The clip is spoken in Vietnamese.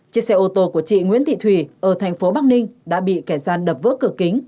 chiếc xe ô tô của chị nguyễn thị thủy ở thành phố bắc ninh đã bị kẻ gian đập vỡ cửa kính